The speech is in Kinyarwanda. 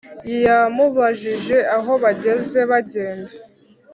yamubajije aho bageze bagenda